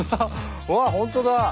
うわっ本当だ。